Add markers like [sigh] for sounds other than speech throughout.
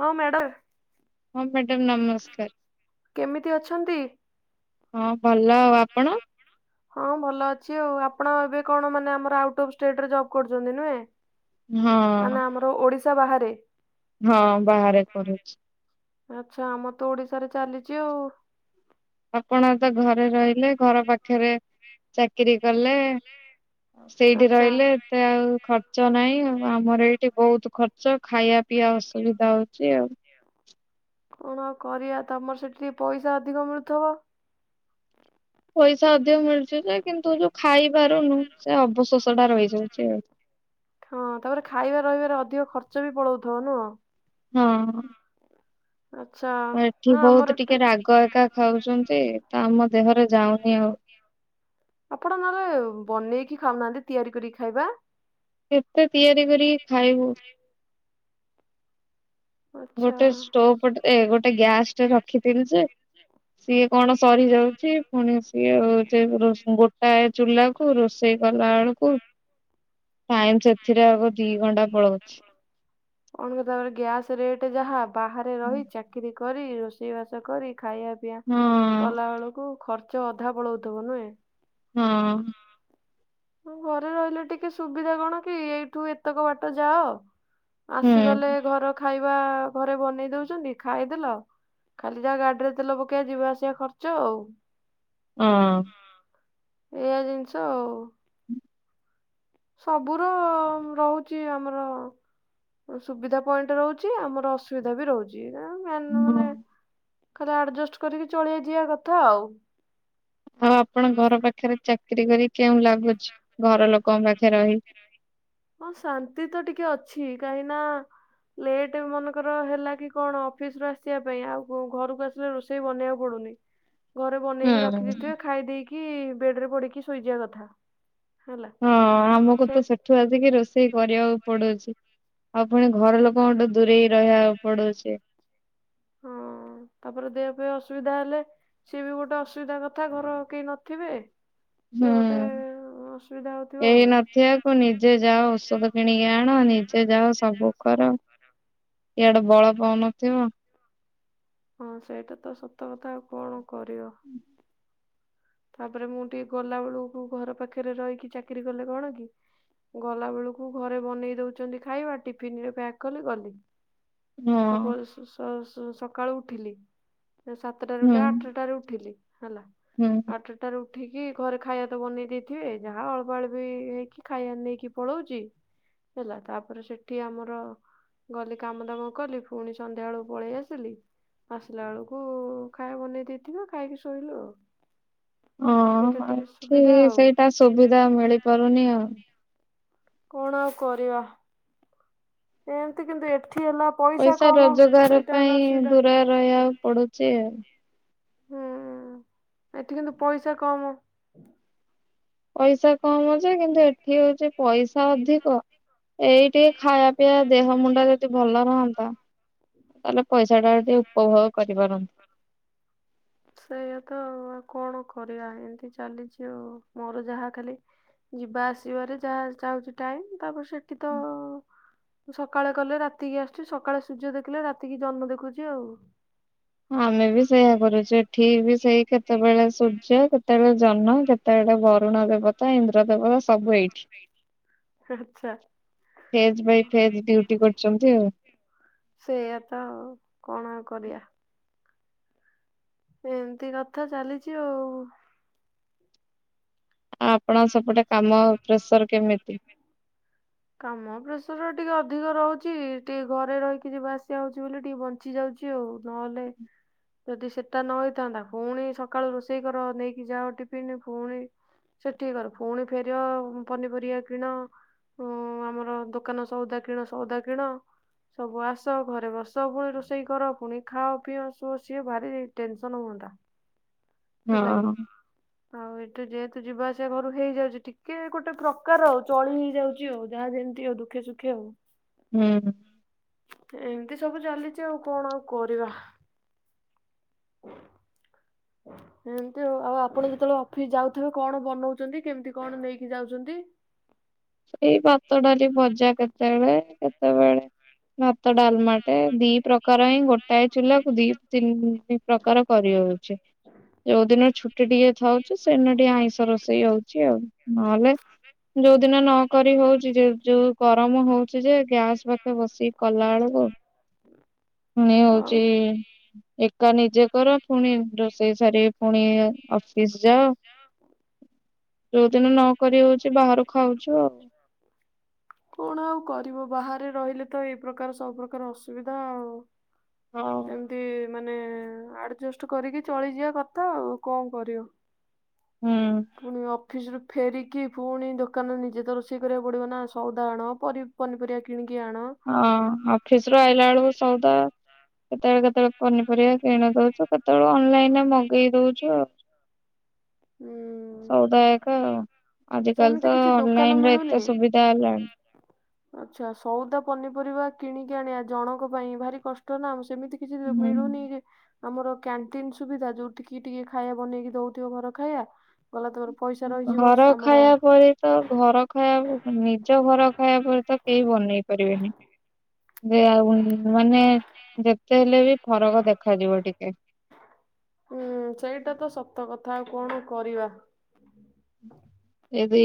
ହଁ ମ୍ୟାଡ଼ାମ୍। ହଁ ମ୍ୟାଡ଼ାମ୍ ନମସ୍କାର। କେମିତି ଅଛନ୍ତି? ହଁ ଭଲ। ଭଲ ଆଉ ଆପଣ? ହଁ ଭଲ ଅଛି ଆଉ। ଆପଣ ଏବେ କଣ ମାନେ ଆମର ଆଉଟ ଅଫ୍ ଷ୍ଟେଟରେ ଜବ୍ କରୁଛନ୍ତି ନୁହେଁ? ହଁ ମାନେ ଆମର ଓଡିଶା ବାହାରେ? ହଁ ବାହାରେ କରୁଛି। ଆଚ୍ଛା। ଆମ ତ ଓଡିଶାରେ ଚାଲିଛି ଆଉ। ଆପଣ ତ ଘରେ ରହିଲେ। ଘର ପାଖରେ ଚାକିରି କଲେ। ସେଇଠି ଆଚ୍ଛା। ରହିଲେ ଏତେ ଆଉ ଖର୍ଚ୍ଚ ନାହିଁ ଆଉ। ଆମର ଏଇଠି ବହୁତ ଖର୍ ର୍ଚ୍ଚ। ଖାଇବା ପିଇବା ଅସୁବିଧା ହଉଛି ଆଉ। କଣ ଆଉ କରିବା ତମର ସେଠି ଟିକେ ପଇସା ଅଧିକ ମିଳୁଥିବ? ପଇସା ଅଧିକ ମିଳୁଚ ଯେ, କିନ୍ତୁ ଯୋଉ ଖାଇ ପାରୁନୁ! ସେ ଅବଶୋଷ ଟା ରହିଯାଉଛି। ହଁ। ତାପରେ ଖାଇବା ରହିବାରେ ଅଧିକ ଖର୍ଚ୍ଚ ବି ପଳଉଥିବ ନୁହଁ? ହଁ। ଆଚ୍ଛା। ହଁ ଏଠି ଆମର ବହୁତ ଟିକେ ରାଗ ଏକା ଖାଉଛନ୍ତି। ତ ଆମ ଦେହରେ ଯାଉନି ଆଉ। ଆପଣ ନହେଲେ ବନେଇକି ଖାଉନାହାନ୍ତି ତିଆରି କରିକି ଖାଇବା? କେତେ ତିଆରି କରିକି ଖାଇବୁ? ଗୋଟେ ଆଚ୍ଛା। ଷ୍ଟୋଭ ଟେ ଏ ଗୋଟେ ଗ୍ୟାସ୍ ଟେ ରଖିଥିଲି ଯେ! ସିଏ କଣ ସରିଯାଉଛି। ପୁଣି ସିଏ ହଉ [inaudible] ଗୋଟା ଚୁଲା କୁ ରୋଷେଇ କଲା ବେଳକୁ କୁ ଟାଇମ୍ ସେଥିରେ ଆଗ ଦି ଘଣ୍ଟା ପଳଉଛି। [inaudible] ତାପରେ ଗ୍ୟାସ ରେଟ ଯାହା ବାହାରେ ରହିଛ! ଚାକିରି କରି, ରୋଷେଇବାସ କରି, ଖାଇବା ପିଇଆ ହଁ କଲା ବେଳକୁ ଖର୍ ଖର୍ଚ୍ଚ ଅଧା ପଳଉଥିବ ନୁହେଁ? ହଁ। ହଁ। ଘରେ ରହିଲେ ଟିକେ ସୁବିଧା କଣ କି? ଏଇଠୁ ଏତକ ବାଟ ଯାଅ। ହୁଁ ଆସିଗଲେ ହଁ। ଘର ଖାଇବା ଘରେ ବନେଇ ଦଉଛନ୍ତି ଖାଇଦେଲ। ଖାଲି ଯାହା ଗାଡିରେ ତେଲ ପକେଇବା, ଯିବା ଆସିବା ଖର୍ଚ୍ଚ ଆଉ। ଉମ୍ ଏଆ ଜିନିଷ ଆଉ। ସବୁର ରହୁଛି ଆମର ସୁବିଧା ପଏଣ୍ଟ ରହୁଛି ଆମର ଅସୁବିଧା ବି ରହୁଛି। ଏ [inaudible] ହଁ। ଖାଲି ଆଡଜେଷ୍ଟ କରି ଚଳେଇ ଯିଆ କଥା ଆଉ। ଆଉ ଆପଣ ଘର ପାଖରେ ଚାକିରୀ କରି କେଉଁ ଲାଗୁଛି? ଘର ଲୋକଙ୍କ ପାଖରେ ରହି। ହଁ ଶାନ୍ତି ତ ଟିକେ ଅଛି। କାହିଁ ନା! ଲେଟ୍ ମନେକର ହେଲା କି କଣ ଅଫିସ ରୁ ଆସିବା ପାଇଁ। ଆଉ ଘରକୁ ଆସିଲେ ରୋଷେଇ ବନେଇବାକୁ ପଡୁନି। ଘରେ ହୁଁ ବନେଇକି ରଖି ଦେଇଥିବେ। ଖାଇ ଦେଇକି ବେଡରେ ପଡିକି ଶୋଇଯିବା କଥା। ହେଲା। ହଁ ଆମକୁ ସେ ତ ସେଠୁ ଆସିକି ରୋଷେଇ କରିୟାକୁ ପଡୁଛି। ଆଉ ପୁଣି ଘର ଲୋକଙ୍କଠୁ ଦୂରେଇ ରହିବାକୁ ପଡୁଚି। ହଁ, ତାପରେ ଦେହ ପେୟ ପାଇଁ ଅସୁବିଧା ହେଲେ ସିଏ ବି ଗୋଟେ ଅସୁବିଧା କଥା। ଘରେ ଆଉ କେହି ନଥିବେ। ସିଏ ଗୋଟେ ହୁଁ। ଅସୁବିଧା ହଉଥିବ କେହି ଆଉ। କେହି ନଥିବାକୁ ନଥିଆକୁ ନିଜେ ଔଷଧ ଯାଅ କିଣିକି ଆଣ। ନିଜେ ଯାଅ ସବୁ କର୍ ହେଲୋ ଇଆଡୁ ବଳ ପାଉନଥିବ। ହଁ ସେଇଟା ତ ସତ କଥା। ଆଉ କଣ କରିବ? ତାପରେ ମୁଁ ଟିକେ ଗଲା ବେଳକୁ, ଘର ପାଖରେ ରହିକି ଚାକିରି କଲେ କଣ କି? ଗଲା ବେଳକୁ ଘରେ ବନେଇ ଦଉଚନ୍ତି ଖାଇବା। ଟିଫିନ୍ ରେ ପ୍ୟାକ୍ କଲି ଗଲି। ହଁ ସକାଳୁ ସେ ସ-ସ ସକାଳୁ ଉଠିଲି। ସେ ସକ୍ ତଟାରୁ ହୁଁ ଉଠେ, ଆଠଟାରେ ଉଠିଲି। ହେଲା ହୁଁ ଠଟାରେ ଉଠିକି ଘରେ ଖାଇବା ତ ବନେଇ ଦେଇଥିବେ। ଯାହା ଅଳ୍ପ ଅଳ୍ପି ହେଇକି ଖାଇବା ନେଇକି ପଳଉଚି ହେଲା ତାପରେ ସେଠି ଆମର ଗଲି କାମ ଦାମ କଲି ଫୁଣି ସନ୍ଧ୍ୟାଏଳକୁ ପଳେଇ ଆସିଲି। ଆସିଲା ବେଳକୁ ଖାଇବା ବନେଇ ଦେଇେଇଥିବେ, ଖାଇକି ଶୋଇଲୁ ଆଉ। ହଁ ଏଇଟା ଟିକେ ଏଠି ସୁବିଧା ଆଉ। ସେଇଟା ସୁବିଧା ମିଳିପାରୁନି ଆଉ କଣ ଆଉ କରିବା? ଏମିତି କିନ୍ତୁ ଏଠି ହେଲା ପଇସା କମ ରୋଜଗାର ସେଇଟା ହେଲା ପାଇଁ ଅସୁବିଧା ଦୂୁରରେ ରହିଆକୁ ପଡୁଛି ଆଉ। ହଁ ଏଠି କିନ୍ତୁ ପଇସା କମ। ପଇସା କମ ଯେ, କିନ୍ତୁ ଏଠି ହଉଛି ପଇସା ଅଧିକ। ଏଇ ଟିକେ ପିଇଆ ଦେହ ମୁଣ୍ଡ ଯଦି ଭଲ ରହନ୍ତା। ତାଲେ ପଇସା ଟା ଟିକେ ଉପଭୋଗ କରିପାର [inaudible] ସେଇୟାତ ଆଉ ଆଉ କଣ କରିବା ଏମିତି ଚାଲିଛି ଆଉ, ମୋର ଯାହା ଖାଲି ଯିବା ଆସିବାରେ ଯାହା ଯାଉଚି ଟାଇମ୍। ତାପରେ ସେଠି ତ ସକାଳେ ଗଲେ ରାତିକି ଆସୁଛି। ସକାଳେ ସୂର୍ଯ୍ୟ ଦେଖିଲେ ରାତିକି ଜହ୍ନ ଦେଖୁଛି ଆଉ। ଆମେ ବି ସେଇଆ କରୁଛୁ। ଏଠି ବି ସେଇ କେତେବେଳେ ସୂର୍ଯ୍ୟ, କେତେବେଳେ ଜହ୍ନ। କେତ କେତେବେଳେ ବରୁଣ ଦେବତା ଇନ୍ଦ୍ର ଦେବତା ସବୁ ଏଇ ଆଚ୍ଛା [inaudible] ଫେଜ ଭାଇ ଫେଜ ଡ୍ୟୁଟି କରିଛନ୍ତି ଆଉ ସେଇଆ ତ କଣ କରିବା। ଏମିତି କଥା ଚାଲିଛି ଆଉ। ଆଉ ଆପଣ ସପଟେ କାମ ପ୍ରେସର କେମିତି? କାମ ପ୍ରେସର ଟିକେ ଅଧିକ ରହୁଛି। ଟିକେ ଘରେ ରହିକି ଯିବା ଆସିବା ହଉଛି ବୋଲି ଟିକେ ବଞ୍ଚି ଯାଉଛି। ଚି ଆଉ ନହେଲେ ଯଦି ସେଟା ନ ହେଇଥାନ୍ତା। ପୁଣି ସକାଳୁ ରୋଷେଇ କର ନେଇକି ଯାଅ ଟିଫିନ ପୁଣି ସେଠିକ କର ପୁଣି ଫେର ପନିପରିବା କିଣ ହଁ ଆମର ଦୋକାନ ସଉଦା କିଣ ସଉଦା କିଣ ସବୁ ଆସ ଘରେ ବସ ପୁଣି ରୋଷେଇ କର ପୁଣି ଖାଅ ପିଅ ସୁଅ ସିଏ ଭାରି ଟେନସନ ହୁଅନ୍ତା [inaudible] ହେଲାକି ହଁ ଆଉ ଏଠୁ ଯେ ତୁ ଯିବାଆସିବା ଘରୁ ହେଇଯାଉଛି ଟିକେ ଗୋଟେ ପ୍ରକାର ଆଉ। ଚଳି ହେଇଯାଉଛି ଆଉ ଯାହା ଯେମିତି ଆଉ ଦୁଖେ ସୁଖେ ଆଉ। ହୁଁ ଏମିତି ସବୁ ଚାଲିଛି। ଆଉ କଣ ଆଉ କରିବା? [inaudible] [inaudible] ଏମତି ଆଉ ଆପଣ ଯେତେବେଳେ ଅଫିସ ଯାଉଥିବେ କଣ ବନଉଛନ୍ତି କେମିତି କଣ ନେଇକି ଯାଉଛନ୍ତି? ସେଇ ଭାତ ଡାଲି ଭଜା କେତେବେଳେ କେତେବେଳେ ଭାତ ଡାଲମାଟେ ଦି ପ୍ରକାର ହିଁ ଗୋଟାଏ ଚୁଲାକୁ ଦି ତିନି ପ୍ରକାର କରିହଉଛି। ଯୋଉଦିନ ଛୁଟି ଟିକେ ଥାଉଛି ସେଦିନ ଟିକେ ଆଇଁଷ ରୋଷେଇ ହଉଛି। ଆଉ ନହେଲେ ଯୋଉଦିନ ନ କରି ହଉଛି ଯୋଉ ଗରମ ହଉଛି ଯେ ଗ୍ୟାସ ପାଖେ ବସିକି କଲାଳକୁ ଫୁଣି ଆଉ ହଉଚି ଏକା ନିଜେ କର ପୁଣି ରୋଷେଇ ସାରି ପୁଣି ଅଫିସ ଯାଅ। ଯାଅ ଯୋଉଦିନ ନ କରି ହଉଛି ବାହାରୁ ଖାଉଛୁ। ଆଉ କଣ ଆଉ କରିବ ବାହାରେ ରହିଲେ ତ ଏଇ ପ୍ରକାର ସବୁପକାର ଅସୁବିଧା। ଆଉ ହଉ ଏମିତି ମାନେ ଆଡ଼ଜଷ୍ଟ କରିକି ଚଳିଯିବା କଥା ଆଉ କଣ କରିବ। ହୁଁ ପୁଣି ଅଫିସୁ ଫେରିକି ପୁଣି ଦୋକାନ ନିଜେ ତ ରୋଷେଇ କରିବାକୁ ପଡିବ ନା ସଉଦା ଆଣ ପରି ପନିପରିଆ କ କିଣିକଆଣ। ହଁ ଅଫିସ ରୁ ଆଇଲା ବେଳକୁ ସଉଦା କେତେ କେତେ କେତେବେଳେ ପନିପରିବା କିଣି ଦଉଛ କେତେବେଳୁ ଅନଲାଇନ ରେ ମଗେଇ ଦଉଛୁ ଆଉ ହୁଁ ସଉଦା ଆଜିକାଲି ସେମିତି ତ କିଛି ଦୋକାନ ଅନଲାଇନ ରେ ଏତେ ମିଳୁନି ସୁବିଧା ହେଲାଣି। ଆଚ୍ଛା ସଉଦା ପନିପରିବା କିଣିକି ଆଣିବା ଜଣଙ୍କ ପାଇଁ ଭାରି କଷ୍ଟ। ନା ସେମିତି କିଛି ହୁଁ। ମିଳୁନି ଆମର କ୍ୟାଣ୍ଟିନ ସୁବିଧା ଯୋଉଠି ଟିକେ ଖାଇବା ବନେଇକି ଦଉଥିବ ଘର ଖାଇବା। ଗଲା ତମର ପଇସା ରହିଯିବ ଘର ଆମର ଖାଇବା ପରି ତ ଘର ଖାଇବା ନିଜ ଘର ଖାଇବା ପରେ ତ କେହି ବନେଇ ପାରିବେନି। ଯେ ଆଉ ମାନେ ଯେତେ ହେଲେ ବି ଫରକ ଦେଖାଯିବ ଟିକେ। ହୁଁ ସେଇଟା ତ ସତ କଥା ଆଉ କଣ କରିବା? [inaudible] ଏଦି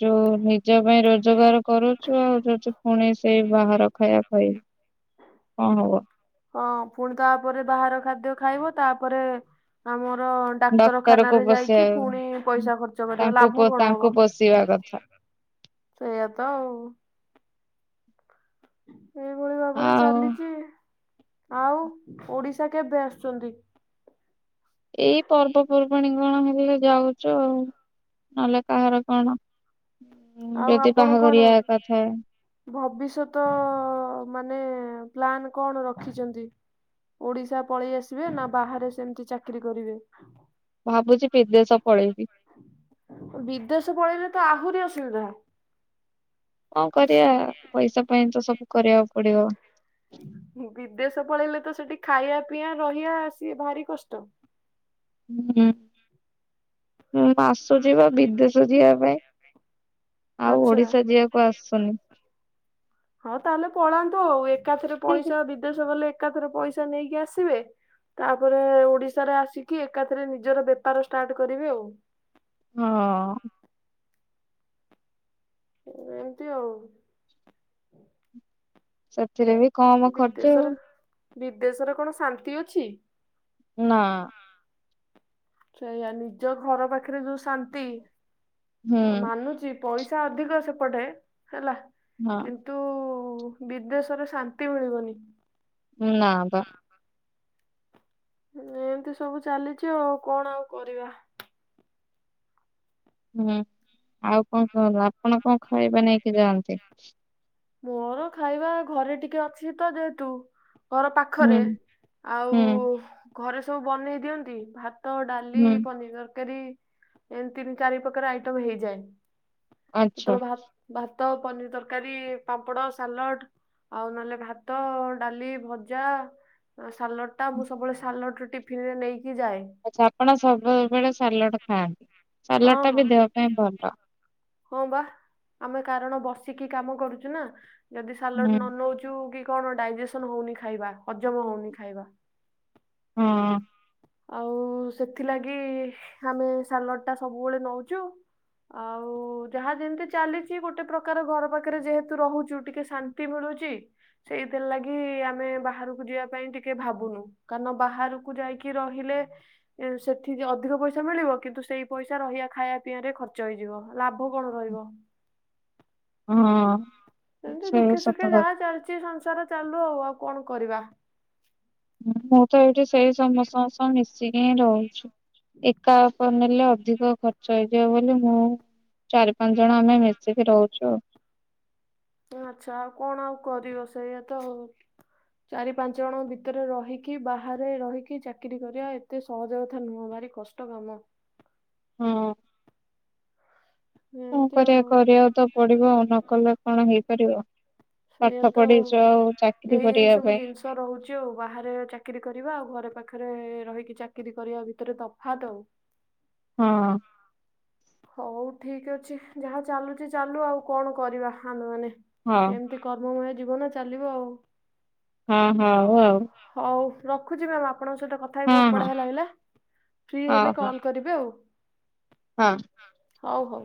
ଯୋଉ ନିଜ ପାଇଁ ରୋଜଗାର କରୁଛୁ ଆଉ ଯ ପୁଣି ସେଇ ବାହାର ଖାଇବା ଖାଇବ। କଣ ହବ? ହଁ ପୁଣି ତାପରେ ବାହାର ଖାଦ୍ୟ ଖାଇବ ତାପରେ ଆମର ଡାକ୍ତର କୁ ଡାକ୍ତରଖାନାରେ ଯାଇକି ବସେଇବା ପୁଣି ପଇସା ଖର୍ଚ୍ଚ କରିବା। ତାଙ୍କୁ ପୋ ଲାଭ କଣ ତାଙ୍କୁ ହବ? ପୋଷିବା କ [inaudible] ସେଇୟାତ ଆଉ ଏଇଭଳି ଭାବରେ ଆଉ ଚାଲିଚି। ଆଉ ଓଡିଶା କେବେ ଆସୁଛନ୍ତି? ଏଇ ପର୍ବପର୍ବାଣୀ କଣ ହେଲେ ଯାଉଛୁ ଆଉ। ନହେଲେ କାହାର କଣ? ଆଉ ଯଦି ଆପଣ ବାହାଘରିଆ କଣ ଏକା ଥାଏ। ଭବିଷ୍ୟତ ମାନେ ପ୍ଲାନ କଣ ରଖିଛନ୍ତି? ଓଡିଶା ପଳେଇ ଆସିବେ ନା ବାହାରେ ସେମିତି ଚାକିରି କରିବେ? ଭାବୁଛି ବିଦେଶ ପଳେଇବି। ବିଦେଶ ପଳେଇଲେ ତ ଆହୁରି ଅସୁବିଧା। କଁ କରିବା ପଇସା ପାଇଁ ତ ସବୁ କରିବାକୁ ପଡିବ। ବିଦେଶ ପଳେଇଲେ ତ ସେଠି ଖାଇବା ପିଇଆ ରହିବା ସିଏ ଭାରି କଷ୍ଟ। ଉଁ ଆସୁଛି ବା ବିଦେଶ ଯିବା ପାଇଁ। ଆଉ ଆଚ୍ଛା। ଓଡିଶା ଯିବା କୁ କ ଆସୁନି। ହଁ ତାହେଲେ ପଳାନ୍ତୁ ଆଉ ଏକାଥରେ ହୁଁ ହୁଁ। ପଇସା ବିଦେଶ ଗଲେ ଏକାଥରେ ପଇସା ନେଇକି ଆସିବେ। ତାପରେ ଓଡିଶାରେ ଆସିକି ଏକାଥରେ ନିଜର ବେପାର ଷ୍ଟାର୍ଟ କରିବି ଆଉ। ହଁ ଏମତି ଆଉ। ସେଥିରେ ବି କମ ଖର୍ଚ୍ଚ ଆଉ। ବିଦେଶରେ ବିଦେଶରେ କଣ ଶାନ୍ତି ଅଛି? ନା ସେଇଆ ନିଜ ଘର ପାଖରେ ଯୋଉ ଶାନ୍ତି। ହୁଁ ମାନୁଛି ପଇସା ଅଧିକ ସେପଟେ ହେଲା, ହଁ କିନ୍ତୁ ତୁ ବିଦେଶରେ ଶାନ୍ତି ମିଳିବନି। ନା ବା। ଏମିତି ସବୁ ଚାଲିଛି ଆଉ କଣ ଆଉ କରିବା? ହୁଁ ଆଉ କଣ କହୁନ୍ତୁ? ଆପଣ କଣ ଖାଇବା ନେଇକି ଯାଆନ୍ତି? ମୋର ଖାଇବା ଘରେ ଟିକେ ଅଛି ତ ଯେହତୁ ଘର ପାଖରେ ହୁଁ ଆଉ ହୁଁ ଘରେ ସବୁ ବନେଇ ଦିଅନ୍ତି। ଭାତ ତ ଡାଲି ହୁଁ ପନିର ତରକାରୀ ଏମ ତିନି ଚାରି ପ୍ରକାର ଆଇଟମ ହେଇଯାଏ। ଆଚ୍ଛା କତ ଭାତ୍ ଭାତ ପନିର ତରକାରୀ ପାମ୍ପଡ ସାଲଡ ଆଉ ନହେଲେ ଭାତ ଡାଲି ଭଜା। ସାଲଡ଼ ଟା ମୁଁ ସବୁବେଳେ ସାଲଡ଼ ଟିଫିନରେ ନେଇକି ଯାଏ। ଆଚ୍ଛା ଆପଣ ସବୁବେଳେ ସାଲଡ ଖାଆନ୍ତି।? ସାଲଡ ହଁ ଟା ହଁ ବି ଦେହ ପାଇଁ ଭଲ। ହଁ, ବା ଆମେ କାରଣ ବସିକି କାମ କରୁଛୁ ନା ଯଦି ସାଲଡ ହୁଁ ନ ନଉଛୁ କି କଣ ଡାଇଜେସନ ହଉନି ଖାଇବା, ହଜମ ହଉନି ଖାଇବା। ହୁଁ ଆଉ ସେଥିଲାଗି ଆମେ ସାଲଡ଼ ଟା ସବୁବେଳେ ନଉଚୁ। ଆଉ ଯାହା ଯେମିତି ଚାଲିଛି ଗୋଟେ ପ୍ରକାର ଘର ପାଖରେ ଯେହେତୁ ରହୁଛୁ ଟିକେ ଶାନ୍ ତିମିଳୁଛି ସେଇଥିର୍ ଲାଗି ଆମେ ବାହାରକୁ ଯିବା ପାଇଁ ଟିକେ ଭାବୁନୁ, କାରଣ ବାହାରକୁ ଯାଇକି କି ରହିଲେ ସେଠି ଅଧିକ ପଇସା ମିଳିବ କିନ୍ତୁ ସେଇ ପଇସା ରହିବା ଖାଇବା ପିଇବା ରେ ଖର୍ଚ୍ଚ ହେଇଯିବ। ଲାଭ କଣ ରହିବ? ହଁ ସେମିତି ସେ ଦୁଃଖେ ସତ ସୁଖେ କଥା। ଯାହା ଚାଲିଛି ସଂସାର ଚାଲୁ ଆଉ, ଆଉ କଣ କରିବା? ମୁଁ ତ ଏଇଠି ସେଇ ସମସ୍ତଙ୍କ ସହ ମିଶିକି ହିଁ ରହୁଛି। ଏକା ଅପର୍ ନେଲେ ଅଧିକ ଖର୍ଚ୍ଚ ହେଇଯିବ ବୋଲି ମୁଁ ଚାରି ପାଞ୍ଚ ଜଣ ଆମେ ମିଶିକି ରହୁଛୁ ଆଉ ଆଚ୍ଛା ଆଉ କଣ ଆଉ କରିବ ସେଇଆତ ଆଉ ଚାରି ପାଞ୍ଚ ଜଣ ଭିତରେ ରହିକି, ବାହାରେ ରହିକି ଚାକିରି କରିବା ଏତେ ସହଜ କଥା ନୁହ। ଭାରି କଷ୍ ଷ୍ଟ କାମ ହଁ କଣ ଏମିତି କରିବା ଆଉ କରିବାକୁ ତ ପଡିବ ଆଉ ନକଲେ କଣ ହେଇପାରିବ? ସେଇଆ ପାଠ ତ ପଢିଛ ଚାକିରୀ କରିବା ପାଇଁ। ତ ରହୁଛି ଆଉ ବାହାରେ ଚାକିରିୀ କରିବା ଆଉ ଘରେ ପାଖରେ ରହିକି ଚାକିରି କରିବା ଭିତରେ ତଫାତ ଆଉ ହଁ ହଉ ଠିକ ଅଛି ଯାହା ଚାଲୁଛି ଚାଲୁ। ଆଉ କଣ କରିବା ଆମେମାନେ ହଁ ସେମତି କର୍ମମୟ ଜୀବନ ଚାଲିବ ଆଉ। ହଁ ହଉ ଆଉ ହଁ-ହଁ-ହଁ ହଉ ରଖୁଛି ମ୍ୟାମ୍ ଆପଣଙ୍କ ସହିତ କଥା ବି ହଁ ବହୁତ ହଁ ବଢ଼ିଆ ଲାଗିଲା ଫ୍ରି ହଉ ହେଲେ ହଉ କଲ୍ କରିବେ ଆଉ ହଁ ହଁ ହଉ ହଉ